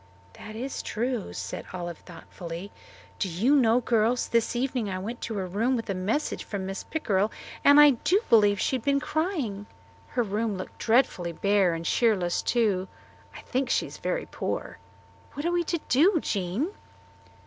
"That is true," said Olive thoughtfully. "Do you know, girls, this evening I went to her room with a message from Mrs. Pickrell, and I do believe she had been crying. Her room looked dreadfully bare and cheerless, too. I think she is very poor. What are we to do, Jean?"